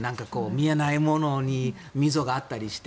見えないところに溝があったりして。